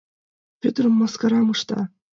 — Вӧдыр мыскарам ышта.